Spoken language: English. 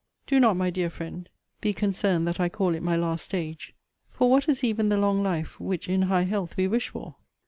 Do not, my dear friend, be concerned that I call it my last stage; For what is even the long life which in high health we wish for?